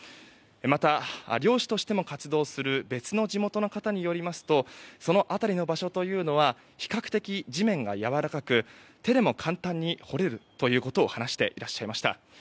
また、猟師としても活動する別の地元の方によりますとその辺りの場所というのは比較的、地面がやわらかく手でも簡単に掘れるということを話していらっしゃいました。